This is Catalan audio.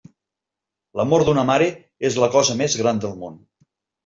L'amor d'una mare és la cosa més gran del món.